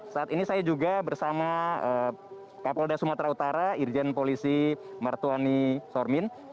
saat ini saya juga bersama kapolda sumatera utara irjen polisi martuani sormin